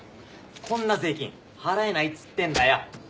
こんな税金払えないっつってんだよ！